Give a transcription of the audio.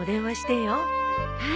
はい。